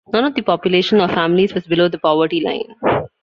None of the population or families was below the poverty line.